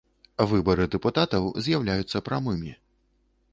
Выбары дэпутатаў з’яўляюцца прамымі.